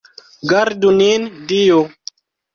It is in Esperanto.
Gardu nin Dio!